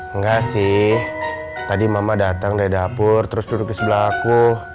enggak sih tadi mama datang dari dapur terus duduk di sebelah aku